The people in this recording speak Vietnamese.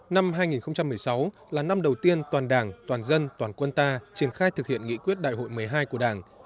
năm hai nghìn một mươi sáu là năm đầu tiên toàn đảng toàn dân toàn quân ta triển khai thực hiện nghị quyết đại hội một mươi hai của đảng